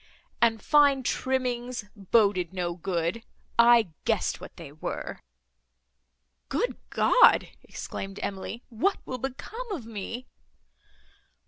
and fine trimmings—boded no good—I guessed what they were!" "Good God!" exclaimed Emily, "what will become of me!"